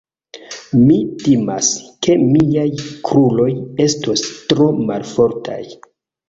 Mi timas, ke miaj kruroj estos tro malfortaj.